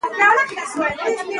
زه د لوستو لپاره ښه ځای غوره کوم.